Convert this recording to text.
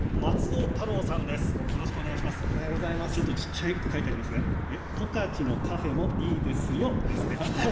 小さく書いてありますが十勝のカフェもいいですよですって。